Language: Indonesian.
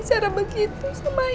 bisa gak begitu sama ibu